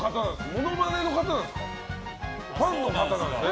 ものまねの方なんですかね。